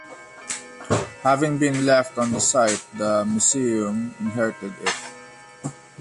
Having been left on the site, the museum inherited it.